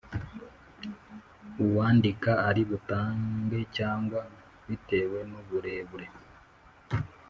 uwandika ari butange cyangwa bitewe n’uburebure.